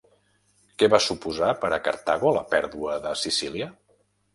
Què va suposar per a Cartago la pèrdua de Sicília?